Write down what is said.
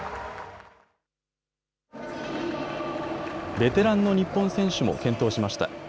ベテランの日本選手も健闘しました。